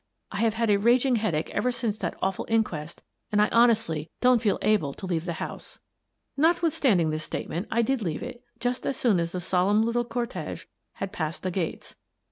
" I have had a raging headache ever since that awful inquest, and I honestly don't feel able to leave the house." Notwithstanding this statement, I did leave it just as soon as the solemn little cortege had passed the gates.